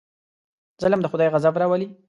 ظلم د خدای غضب راولي.